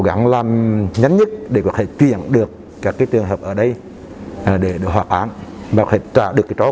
gắng làm nhanh nhất để có thể truyền được các trường hợp ở đây để được hoạt án và phải trả được trói